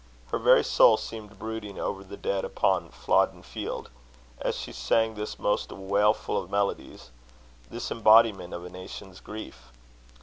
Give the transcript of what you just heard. Her very soul seemed brooding over the dead upon Flodden field, as she sang this most wailful of melodies this embodiment of a nation's grief.